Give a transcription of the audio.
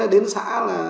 đến xã là